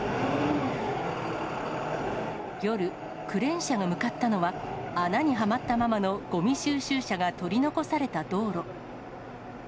夜、クレーン車が向かったのは、穴にはまったままのごみ収集車が取り残された道路。